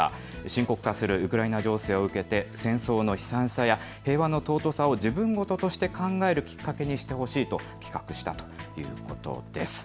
深刻化するウクライナ情勢を受けて戦争の悲惨さや平和の尊さを自分ごととして考えるきっかけにしてほしいと企画したということです。